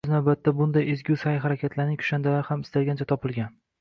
O‘z navbatida, bunday ezgu sa’y-harakatlarning kushandalari ham istalgancha topilgan